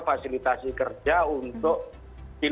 fasilitasi kerja untuk pilihan